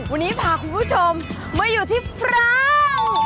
วันนี้พาคุณผู้ชมมาอยู่ที่ฟราว